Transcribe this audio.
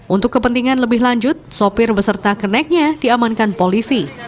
untuk kepentingan lebih lanjut sopir beserta keneknya diamankan polisi